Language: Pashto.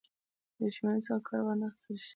دښمنۍ څخه کار وانه خیستل شي.